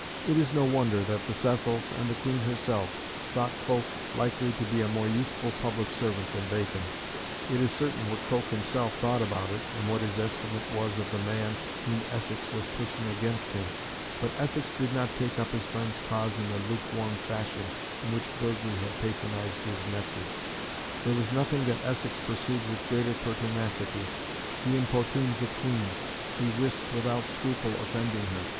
It is no wonder that the Cecils, and the Queen herself, thought Coke likely to be a more useful public servant than Bacon: it is certain what Coke himself thought about it, and what his estimate was of the man whom Essex was pushing against him. But Essex did not take up his friend's cause in the lukewarm fashion in which Burghley had patronised his nephew. There was nothing that Essex pursued with greater pertinacity. He importuned the Queen. He risked without scruple offending her.